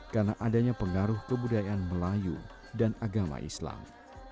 karena adanya pengaruh kebudayaan melayu dan agama islam